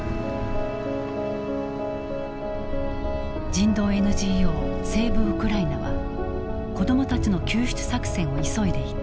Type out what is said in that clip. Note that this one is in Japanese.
人道ＮＧＯセーブ・ウクライナは子どもたちの救出作戦を急いでいた。